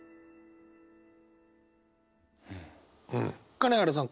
金原さん